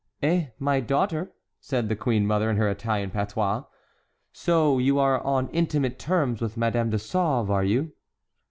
"Eh, my daughter," said the queen mother, in her Italian patois, "so you are on intimate terms with Madame de Sauve, are you?"